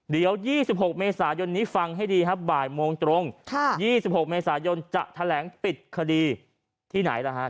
เดี๋ยว๒๖เมษายนนี้ฟังให้ดีครับบ่ายโมงตรง๒๖เมษายนจะแถลงปิดคดีที่ไหนล่ะฮะ